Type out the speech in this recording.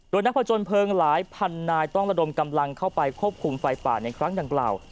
โดยนักผจญเพลิงหลายพันนายต้องระดมกำลังเข้าไปควบคุมไฟป่าในครั้งดังกล่าว